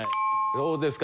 どうですか？